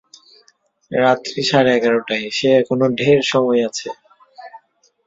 রাত্তির সাড়ে এগারোটায়, সে এখনো ঢের সময় আছে।